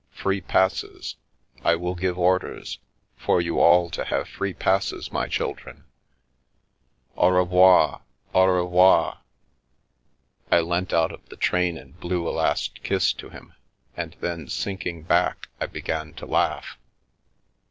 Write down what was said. Free passes — I will give orders — for you all to have free passes, my children ! Au revoir, au revoir !" I leant out of the train and blew a last kiss to him, and then, sinking back, I began to laugh.